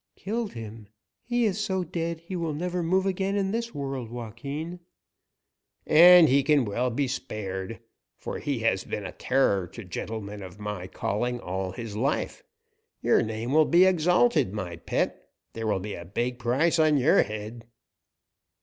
"Killed him? He is so dead he will never move again in this world, Joaquin." "And he can well be spared, for he has been a terror to gentlemen of my calling all his life. Your name will be exalted, my pet. There will be a big price on your head."